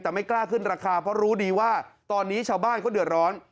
แต่ไม่กล้าขึ้นราคาเพราะรู้ดีว่าตอนนี้ชาวบ้านเขาเดือดร้อน